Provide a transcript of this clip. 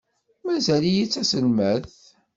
Mazal-iyi d taselmadt.